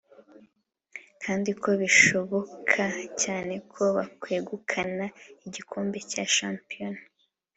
kandi ko bigishoboka cyane ko bakwegukana igikombe cya shampiyona